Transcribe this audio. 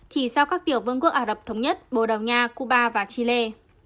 chỉ sau các tiểu vương quốc ả rập thống nhất bồ đào nha cuba và chile